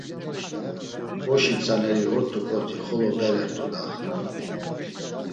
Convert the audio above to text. Oşi tzaneri ort̆uǩoti xolo berert̆u da!